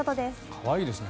可愛いですね。